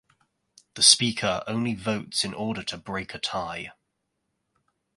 The Speaker only votes in order to break a tie.